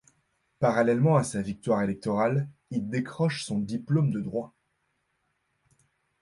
Parallèlement à sa victoire électorale, il décroche son diplôme de droit.